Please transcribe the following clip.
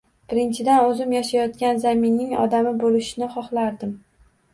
Birinchidan, o`zim yashayotgan zaminning odami bo`lishni xohlardim